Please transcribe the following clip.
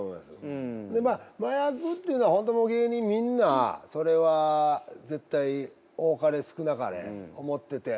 でまあ麻薬っていうのは本当もう芸人みんなそれは絶対多かれ少なかれ思ってて。